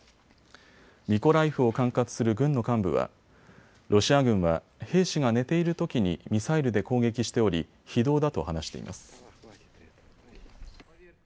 ミコライフを管轄する軍の幹部は、ロシア軍は兵士が寝ているときにミサイルで攻撃しており非道だと話しています。